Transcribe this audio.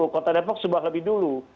kota depok sebuah lebih dulu